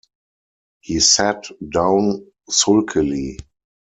He sat down sulkily.